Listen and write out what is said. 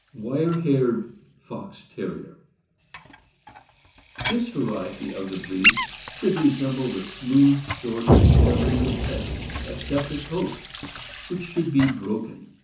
WIEE HAIEED FOX TERRIER. This variety of the breed should resemble the smooth sort in every respect except the coat, which should be broken.